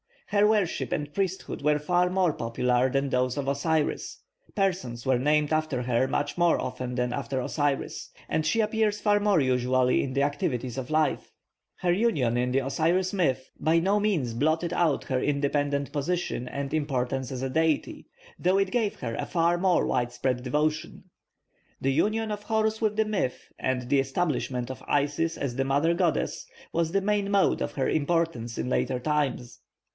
Her worship and priesthood were far more popular than those of Osiris, persons were named after her much more often than after Osiris, and she appears far more usually in the activities of life. Her union in the Osiris myth by no moans blotted out her independent position and importance as a deity, though it gave her a far more widespread devotion. The union of Horus with the myth, and the establishment of Isis as the mother goddess, was the main mode of her importance in later times.